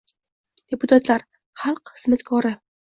«Deputatlar – xalq xizmatkori.